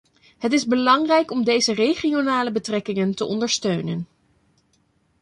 Het is belangrijk om deze regionale betrekkingen te ondersteunen.